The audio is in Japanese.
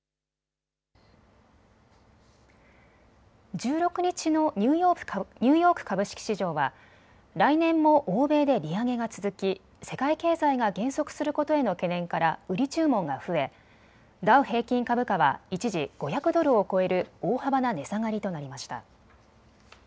１６日のニューヨーク株式市場は来年も欧米で利上げが続き世界経済が減速することへの懸念から売り注文が増え、ダウ平均株価は一時、５００ドルを超える大幅な値下がりとなりました。